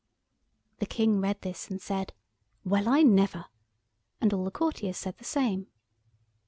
The King read this, and said— "Well, I never!" And all the courtiers said the same.